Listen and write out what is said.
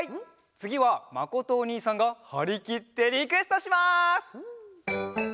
つぎはまことおにいさんがはりきってリクエストします！